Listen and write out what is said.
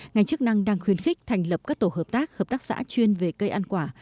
ngành chức năng đang khuyến khích thành lập các tổ hợp tác hợp tác xã chuyên về cây ăn quả